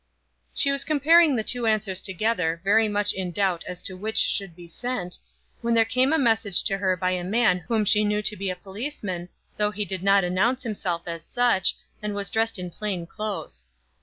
She was comparing the two answers together, very much in doubt as to which should be sent, when there came a message to her by a man whom she knew to be a policeman, though he did not announce himself as such, and was dressed in plain clothes.